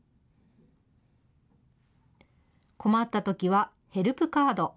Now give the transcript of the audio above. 困ったときは、ヘルプカード。